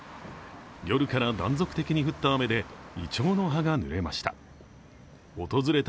夜から断続的に降った雨で、いちょうの葉が濡れました。